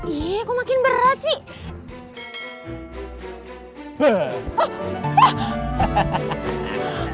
iya kok makin berat sih